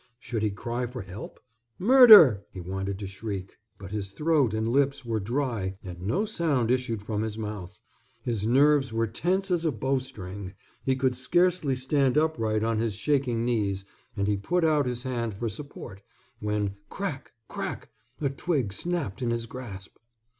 Should he cry for help? Murder! He wanted to shriek, but his throat and lips were dry and no sound issued from his mouth. His nerves were tense as a bow string, he could scarcely stand upright on his shaking knees, and he put out his hand for support, when, crack, crack! a twig snapped in his grasp.